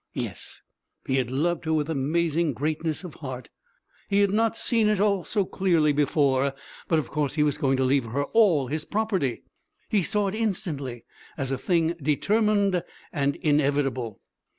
Yes! he had loved her with amazing greatness of heart. He had not seen it so clearly before but of course he was going to leave her all his property. He saw it instantly, as a thing determined and inevitable.